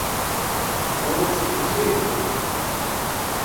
Wuz kẽs̃hũyẽma?